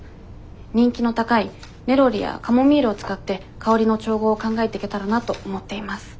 人気の高いネロリやカモミールを使って香りの調合を考えていけたらなと思っています。